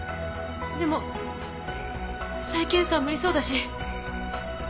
でも再検査は無理そうだし。